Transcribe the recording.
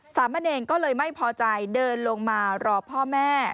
สามะเนรก็เลยไม่พอใจเดินลงมารอพ่อแม่